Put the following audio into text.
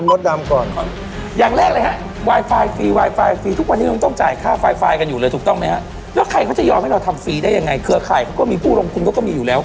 มีผู้รองคุมก็มีอยู่แล้ว